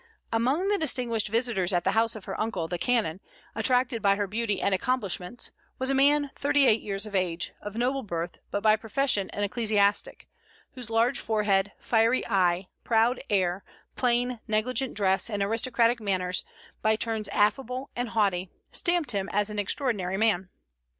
Among the distinguished visitors at the house of her uncle the canon, attracted by her beauty and accomplishments, was a man thirty eight years of age, of noble birth, but by profession an ecclesiastic; whose large forehead, fiery eye, proud air, plain, negligent dress, and aristocratic manners, by turns affable and haughty, stamped him as an extraordinary man.